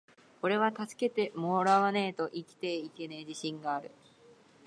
｢おれは助けてもらわねェと生きていけねェ自信がある!!!｣